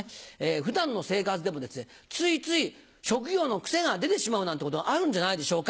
普段の生活でもついつい職業の癖が出てしまうなんてことがあるんじゃないでしょうか？